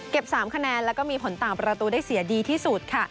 ๓คะแนนแล้วก็มีผลต่างประตูได้เสียดีที่สุดค่ะ